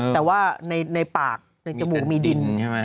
แต่ว่าในปากในจมูกมีดิน